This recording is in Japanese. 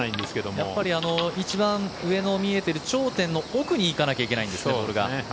やっぱり一番上に見えている頂点の奥にボールが行かないといけないんですね。